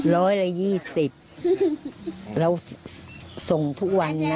ร้อยละ๒๐แล้วส่งทุกวันนะ